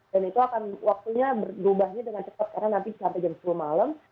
dan itu akan waktunya berubahnya dengan cepat karena nanti sampai jam sepuluh malam